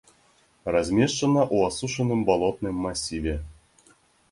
Размешчана ў асушаным балотным масіве.